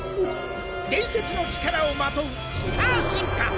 伝説の力をまとうスター進化。